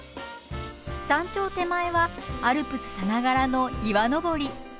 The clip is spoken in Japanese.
山頂手前はアルプスさながらの岩登り。